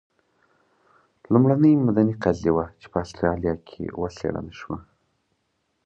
لومړنۍ مدني قضیه وه چې په اسټرالیا کې وڅېړل شوه.